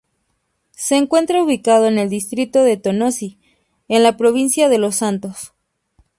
Se encuentra ubicado en el distrito de Tonosí en la provincia de Los Santos.